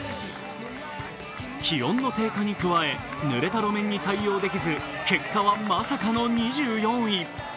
気温の低下に加え、ぬれた路面に対応できず結果はまさかの２４位。